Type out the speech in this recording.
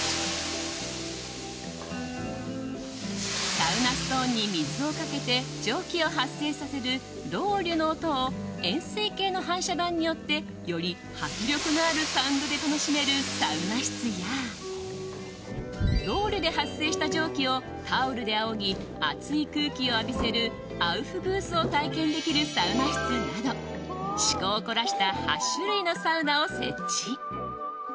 サウナストーンに水をかけて蒸気を発生させるロウリュの音を円錐形の反射板によってより迫力のあるサウンドで楽しめるサウナ室やロウリュで発生した蒸気をタオルであおぎ熱い空気を浴びせるアウフグースを体験できるサウナ室など趣向を凝らした８種類のサウナを設置。